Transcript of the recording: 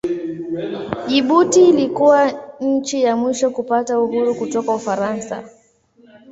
Jibuti ilikuwa nchi ya mwisho kupata uhuru kutoka Ufaransa.